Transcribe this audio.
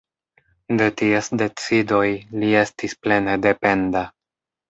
De ties decidoj li estis plene dependa.